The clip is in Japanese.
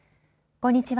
こんにちは。